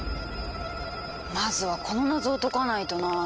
まずはこの謎を解かないとなぁ。